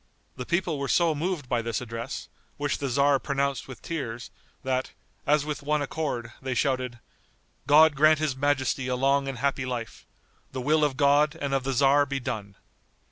The people were so moved by this address, which the tzar pronounced with tears, that, as with one accord, they shouted, "God grant his majesty a long and happy life. The will of God and of the tzar be done."